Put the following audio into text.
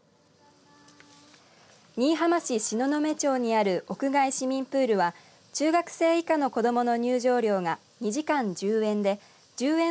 新居浜市東雲町にある屋外市民プールは中学生以下の子どもの入場料が２時間１０円で１０円